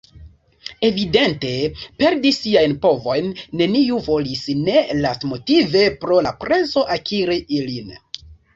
Evidente, perdi siajn povojn neniu volis – ne lastmotive pro la prezo akiri ilin.